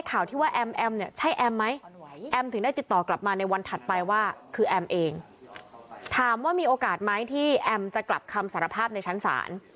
คือแอมเองถามว่ามีโอกาสไหมที่แอมจะกลับคำสารภาพในชั้นศาล